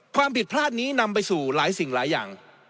ความผิดพลาดนี้นำไปสู่หลายสิ่งหลายอย่าง